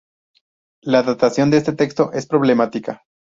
La datación de este texto es problemática.